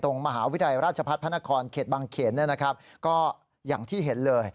มหาวิทยาลัยราชพัฒน์พระนครเขตบางเขนเนี่ยนะครับก็อย่างที่เห็นเลย